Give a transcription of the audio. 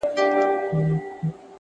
تر ديواله لاندي ټوټه د خپل کفن را باسم